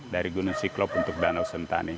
dari gunung siklop untuk danau sentani